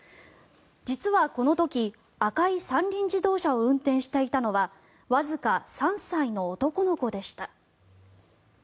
実はこの時、赤い三輪自動車を運転していたのはわずか３歳の男の子でした。